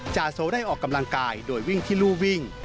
จาโสได้ออกกำลังกายโดยวิ่งที่รูวิ่ง